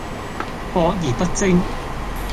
博而不精